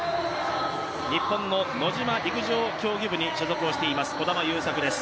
日本のノジマ陸上競技部に所属しております、児玉悠作です。